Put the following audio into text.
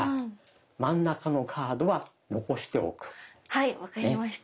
はい分かりました。